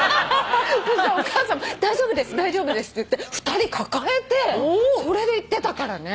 そしたらお母さんも「大丈夫です」って言って２人抱えてそれで行ってたからね。